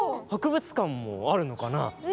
博物館もあるのかな。